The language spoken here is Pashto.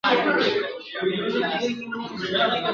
تېښتي او د خپلو کورونو پرېښودلو ته مجبور کړي دي ..